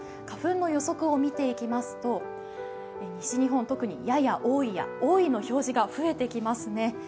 花粉の予測を見ていきますと西日本、やや多いや多いの表示が増えてきますね